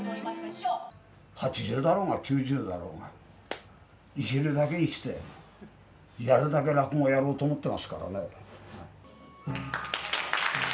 ８０だろうが、９０だろうが、生きるだけ生きて、やるだけ落語をやろうと思ってますからね。